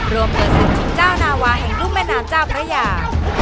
รวมเวลาศึกชิงเจ้านาวาแห่งรุ่มแม่นามเจ้าประหยา